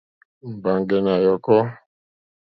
Mbàŋɡɛ̀ nà yɔ̀kɔ́.